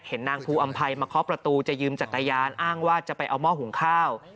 นางภูอำภัยมาเคาะประตูจะยืมจักรยานอ้างว่าจะไปเอาหม้อหุงข้าว